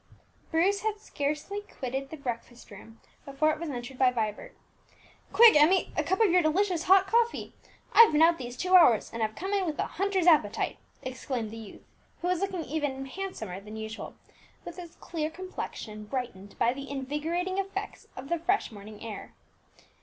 Bruce had scarcely quitted the breakfast room before it was entered by Vibert. "Quick, Emmie, a cup of your delicious hot coffee! I've been out these two hours, and have come in with a hunter's appetite!" exclaimed the youth, who was looking even handsomer than usual, with his clear complexion brightened by the invigorating effects of the fresh morning air.